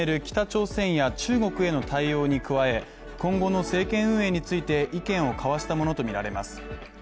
北朝鮮や中国への対応に加え、今後の政権運営について意見を交わしたものとみられます。